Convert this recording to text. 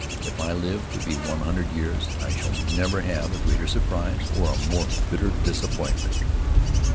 If I live to one hundred years, I shall never have a greater surprise or a more bitter disappointment.